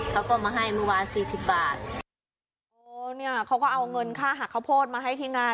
เขาก็มาให้เมื่อวานสี่สิบบาทโอ้เนี่ยเขาก็เอาเงินค่าหักข้าวโพดมาให้ที่งาน